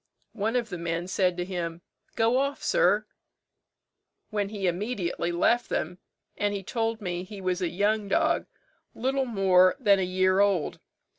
One of the men said to him, 'Go off, sir,' when he immediately left them; and he told me he was a young dog, little more than a year old.